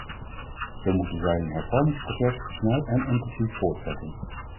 Zo moeten zij hun hervormingsproces snel en intensief voortzetten.